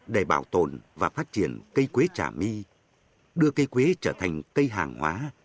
để bảo tồn và phát triển cây quế trà my đưa cây quế trở thành cây hàng hóa